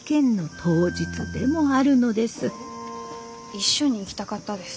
一緒に行きたかったです。